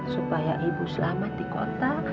supaya ibu selamat di kota